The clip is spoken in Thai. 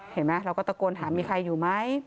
เห็นไหมเราก็ตะโกนถามมีใครอยู่ไหม